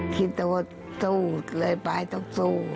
คิดแต่ว่าสู้เลยไปต้องสู้